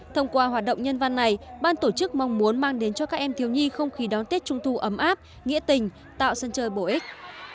thông qua hoạt động nhân văn này ban tổ chức mong muốn mang đến cho các em thiếu nhi không khí đón tết trung thu ấm áp nghĩa tình tạo sân chơi bổ ích